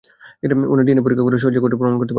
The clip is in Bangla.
উনারা ডিএনএ পরীক্ষা করে সহজে কোর্টে প্রমান করতে পারবে।